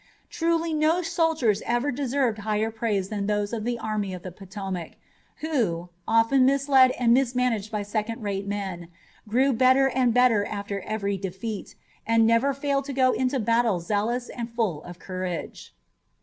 Truly no soldiers ever deserved higher praise than those of the Army of the Potomac, who, often misled and mismanaged by second rate men, grew better and better after every defeat, and never failed to go into battle zealous and full of courage.